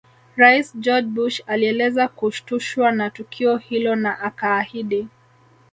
Rais George Bush alieleza kushtushwa na tukio hilo na akaahidi